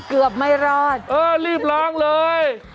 เกือบไม่รอดเออรีบล้างเลย